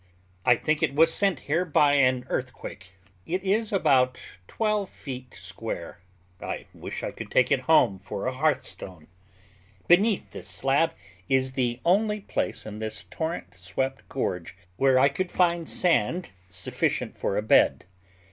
I think it was sent here by an earthquake. It is about twelve feet square. I wish I could take it home for a hearthstone. Beneath this slab is the only place in this torrent swept gorge where I could find sand sufficient for a bed.